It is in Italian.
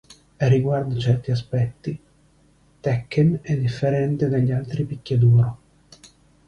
Riguardo certi aspetti, "Tekken" è differente dagli altri picchiaduro.